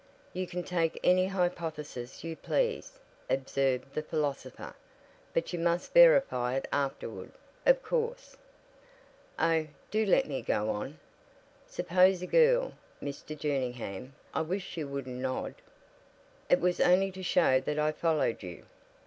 "You can take any hypothesis you please," observed the philosopher, "but you must verify it afterward, of course." "Oh, do let me go on. Suppose a girl, Mr. Jerningham I wish you wouldn't nod." "It was only to show that I followed you."